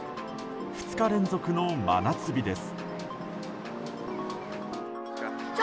２日連続の真夏日です。